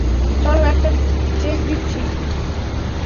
চল একটা চেক দিচ্ছি।